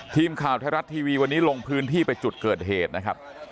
ทีมข่าวไทยรัฐทีวีวันนี้ลงพื้นที่ไปจุดเกิดเหตุนะครับ